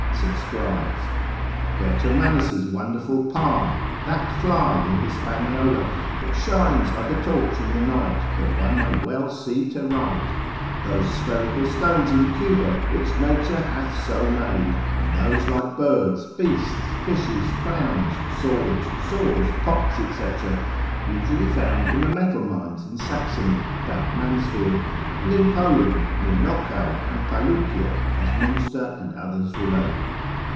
subscribes: Vertomannus wonderful palm, that fly in Hispaniola, that shines like a torch in the night, that one may well see to write; those spherical stones in Cuba which nature hath so made, and those like birds, beasts, fishes, crowns, swords, saws, pots, &c. usually found in the metal mines in Saxony about Mansfield, and in Poland near Nokow and Pallukie, as Munster and others relate.